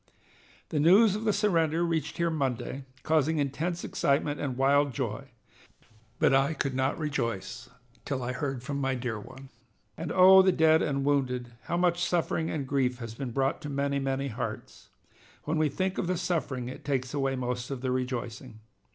"The news of the surrender reached here Monday, causing intense excitement and wild joy; but I could not rejoice till I heard from my dear one. And, oh, the dead and wounded, how much suffering and grief has been brought to many, many hearts! When we think of the suffering it takes away most of the rejoicing.